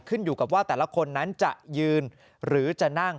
ขึ้นอยู่กับว่าแต่ละคนนั้นจะยืนหรือจะนั่ง